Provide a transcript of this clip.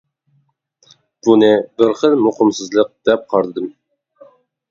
بۇنى بىر خىل مۇقىمسىزلىق دەپ قارىدىم.